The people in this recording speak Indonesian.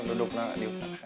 tidak duduk neng